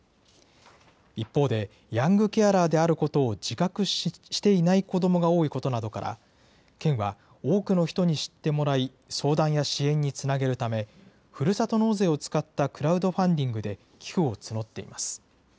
一方で、ヤングケアラーであることを自覚していない子どもが多いことなどから、県は多くの人に知ってもらい、相談や支援につなげるため、ふるさと納税を使ったクラウドファンディングで寄付を募っています。